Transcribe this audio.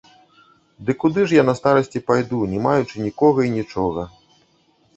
Ды куды ж я на старасці пайду, не маючы нікога і нічога?